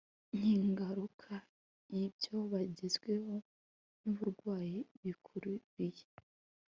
Nkingaruka yibyo bagezweho nuburwayi bikururiye